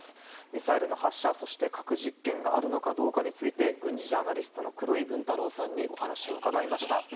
ミサイルの発射そして核実験があるのかどうかについて軍事ジャーナリストの黒井文太郎さんにお話を伺いました。